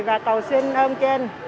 và cầu xin ơn trên